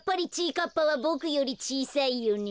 かっぱはボクよりちいさいよね。